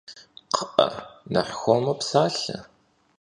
Kxhı'e, nexh xuemu psalhe!